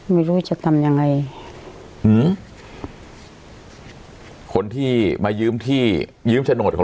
ไม่รู้จะทำยังไงอืมคนที่มายืมที่ยืมโฉนดของ